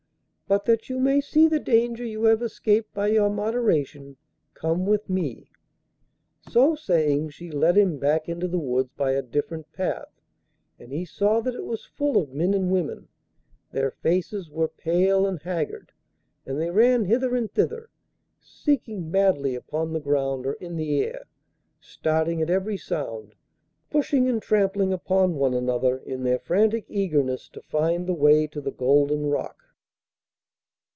But that you may see the danger you have escaped by your moderation, come with me.' So saying she led him back into the wood by a different path, and he saw that it was full of men and women; their faces were pale and haggard, and they ran hither and thither seeking madly upon the ground, or in the air, starting at every sound, pushing and trampling upon one another in their frantic eagerness to find the way to the Golden Rock.